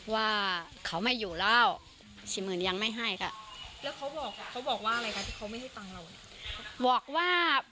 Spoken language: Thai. ว่าเขาไม่อยู่แล้วยังไม่ให้ค่ะแล้วเขาบอกเขาบอกว่าอะไรค่ะ